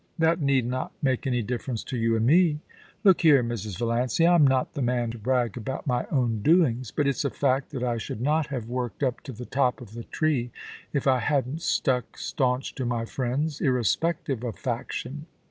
*That need not make any difference to you and me. Look here, Mrs. Valiancy ; Tra not the man to brag about my own doings, but it's a fact that I should not have worked up to the top of the tree if I hadn't stuck staunch to my friends, irrespective of faction.